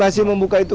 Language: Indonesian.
masih membuka itu